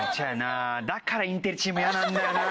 だからインテリチーム嫌なんだよな